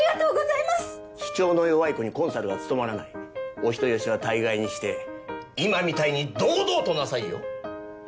主張の弱い子にコンサルは務まらないお人よしは大概にして今みたいに堂々となさいよ！